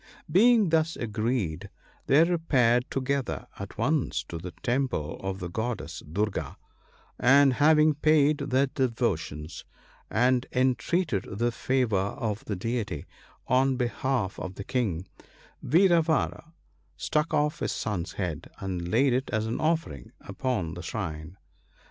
' Being thus agreed, they repaired together at once to the temple of the Goddess Durga, and having paid their devotions and entreated the favour of the deity on behalf of the King, Vira vara struck off his son's head, and laid it as an offering upon the shrine.